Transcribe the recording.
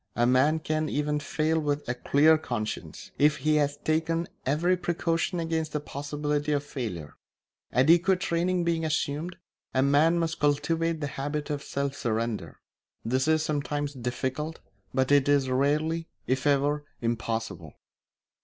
A man can even fail with a clear conscience, if he has taken every precaution against the possibility of failure. Adequate training being assumed, a man must cultivate the habit of self surrender. This is sometimes difficult, but it is rarely, if ever, impossible.